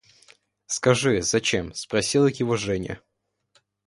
– Скажи, зачем? – спросила его Женя.